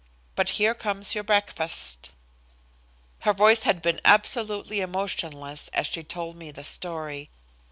But here comes your breakfast." Her voice had been absolutely emotionless as she told me the story.